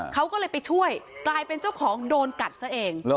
เขาก็เลยไปช่วยกลายเป็นเจ้าของโดนกัดซะเอง